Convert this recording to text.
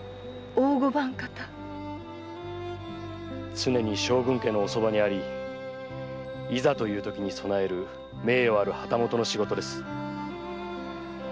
常に将軍家のおそばにありいざというときに備える名誉ある旗本の仕事です。